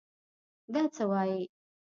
دا څه وايې.